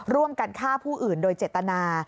ร่วมกันฆ่าผู้อื่นโดยเจตนา